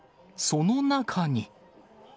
その中に。